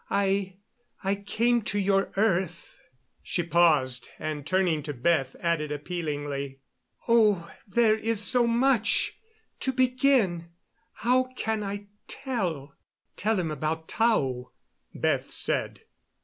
I I came to your earth " She paused and, turning to Beth, added appealingly: "Oh, there is so much to begin how can I tell " "Tell him about Tao," Beth said.